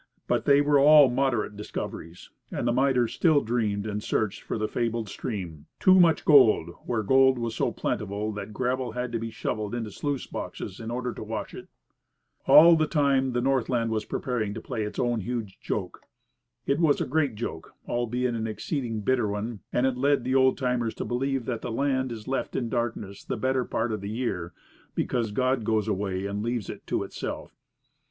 But they were all moderate discoveries, and the miners still dreamed and searched for the fabled stream, "Too Much Gold," where gold was so plentiful that gravel had to be shovelled into the sluice boxes in order to wash it. And all the time the Northland was preparing to play its own huge joke. It was a great joke, albeit an exceeding bitter one, and it has led the old timers to believe that the land is left in darkness the better part of the year because God goes away and leaves it to itself.